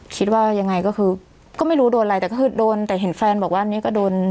คิดว่ายังไงก็คือก็ไม่รู้โดนอะไรแต่ก็คือโดนแต่เห็นแฟนบอกว่านี่ก็โดน